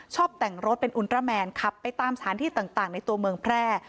แต่งรถเป็นอุณตราแมนขับไปตามสถานที่ต่างในตัวเมืองแพร่